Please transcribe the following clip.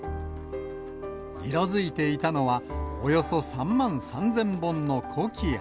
色づいていたのは、およそ３万３０００本のコキア。